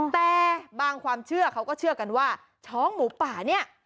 แต่บางความเชื่อเขาก็เชื่อกันว่าช้องหมูป่าเนี่ย